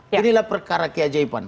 inilah perkara keajaiban